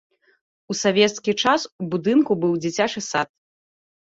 У савецкі час у будынку быў дзіцячы сад.